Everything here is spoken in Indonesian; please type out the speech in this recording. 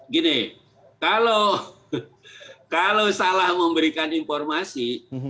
gini kalau salah memberikan informasi